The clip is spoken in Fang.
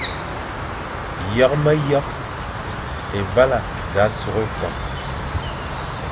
Yekh myekh, Évala sa sukh ékon,